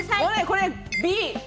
これ、Ｂ！